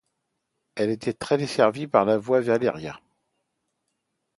Elle était desservie par la via Valeria.